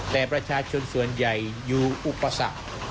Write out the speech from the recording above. แต่ประชาชนส่วนใหญ่อยู่อุปสรรค